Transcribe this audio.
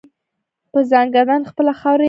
په ځانکدن خپله خاوره یادوي.